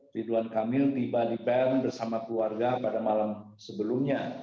ridwan kamil tiba di bern bersama keluarga pada malam sebelumnya